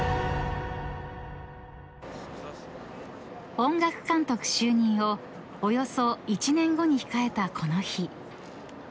［音楽監督就任をおよそ１年後に控えたこの日］